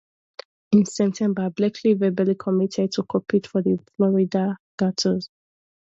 In September Blakely verbally committed to compete for the Florida Gators.